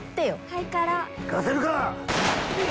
行かせるか！